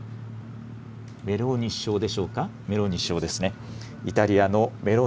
メローニ首相でしょうか。